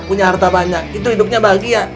punya harta banyak itu hidupnya bahagia